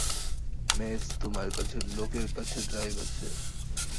Mace, তোমার কাছের লোকের কাছে ড্রাইভ আছে।